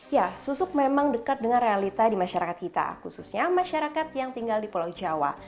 ya susuk memang dekat dengan realita di masyarakat kita khususnya masyarakat yang tinggal di pulau jawa